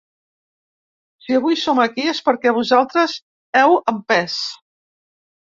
Si avui som aquí és perquè vosaltres heu empès.